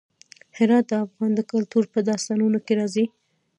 هرات د افغان کلتور په داستانونو کې راځي.